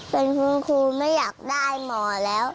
เป็นคุณครูไม่อยากได้หมอแล้ว